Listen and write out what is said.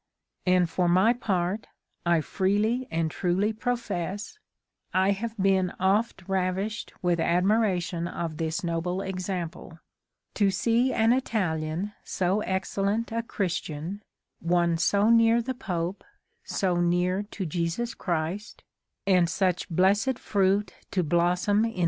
" And for my part I freely and truly professe, I have bin oft ravisht with admiration of this noble example — to see an Italian so excellent a Christian — one so neere the Pope so neere to Jesus Christ, and such blessed fruit to blossome in TRANSLATOR S PREFACE.